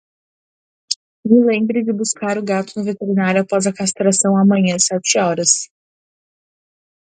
Me lembre de buscar o gato no veterinário após a castração amanhã sete horas.